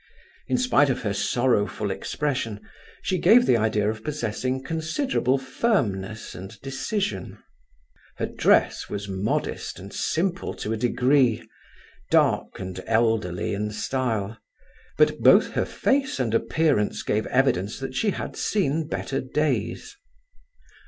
In spite of her sorrowful expression, she gave the idea of possessing considerable firmness and decision. Her dress was modest and simple to a degree, dark and elderly in style; but both her face and appearance gave evidence that she had seen better days.